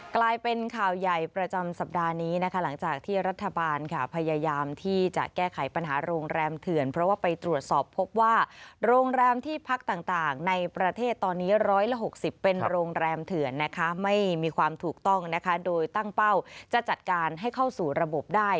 กลายเป็นข่าวใหญ่ประจำสัปดาห์นี้นะคะหลังจากที่รัฐบาลค่ะพยายามที่จะแก้ไขปัญหาโรงแรมเถื่อนเพราะว่าไปตรวจสอบพบว่าโรงแรมที่พักต่างในประเทศตอนนี้๑๖๐เป็นโรงแรมเถื่อนนะคะไม่มีความถูกต้องนะคะโดยตั้งเป้าจะจัดการให้เข้าสู่ระบบได้